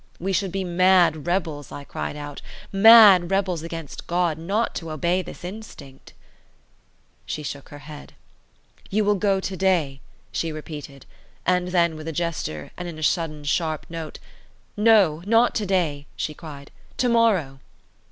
We should be mad rebels," I cried out—"mad rebels against God, not to obey this instinct." She shook her head. "You will go to day," she repeated, and then with a gesture, and in a sudden, sharp note—"no, not to day," she cried, "to morrow!"